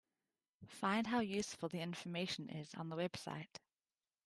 Find how useful the information is on the website.